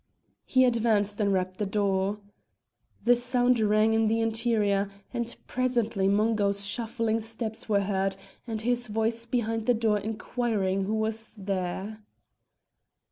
He advanced and rapped at the door. The sound rang in the interior, and presently Mungo's shuffling steps were heard and his voice behind the door inquiring who was there.